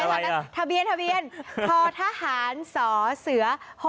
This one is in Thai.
ทอทะเบียนทะเบียนทอทหารสเส๖๑๔๓